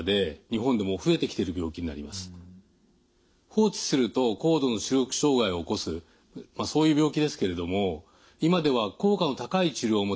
放置すると高度の視力障害を起こすそういう病気ですけれども今では効果の高い治療も出てきています。